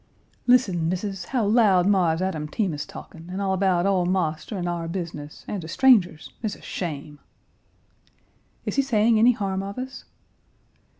"Listen, Missis, how loud Mars Adam Team is talking, and all about ole marster and our business, and to strangers. It's a shame." "Is he saying any harm of us?"